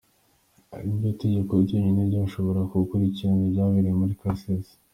Ati “ Iri ni ryo tegeko ryonyine ryashoboraga gukurikirana ibyabereye muri Kasese.